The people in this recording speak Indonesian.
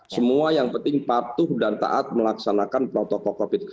semua yang penting patuh dan taat melaksanakan protokol covid